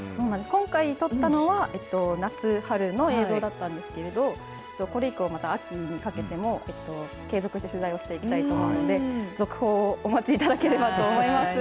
今回撮ったのは夏、春の映像だったんですけれども、これ以降、また秋にかけても、継続して取材をしていきたいと思いますので、続報をお待ちいただければと思います。